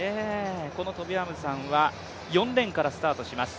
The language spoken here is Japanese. このトビ・アムサンは４レーンからスタートします。